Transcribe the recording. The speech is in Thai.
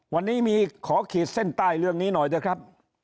วันนี้มีขอขีดเส้นใต้เรื่องนี้หน่อยเถอะครับ